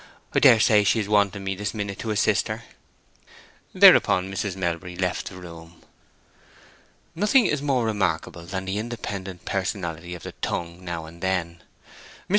I dare say she is wanting me this minute to assist her." Thereupon Mrs. Melbury left the room. Nothing is more remarkable than the independent personality of the tongue now and then. Mr.